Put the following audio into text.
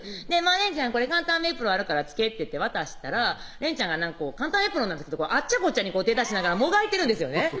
「連ちゃん簡単エプロンあるから着け」って言って渡したら連ちゃんが簡単エプロンなんですけどあっちゃこっちゃに手出しながらもがいてるんですよね